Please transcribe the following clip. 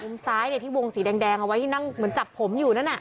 ซ้ายที่วงสีแดงเอาไว้ที่นั่งเหมือนจับผมอยู่นั่นน่ะ